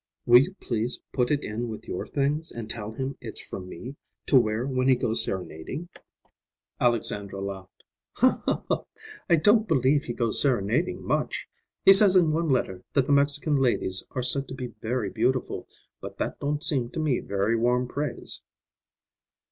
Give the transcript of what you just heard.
Will you please put it in with your things and tell him it's from me, to wear when he goes serenading." Alexandra laughed. "I don't believe he goes serenading much. He says in one letter that the Mexican ladies are said to be very beautiful, but that don't seem to me very warm praise."